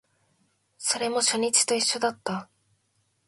それも初日と一緒だった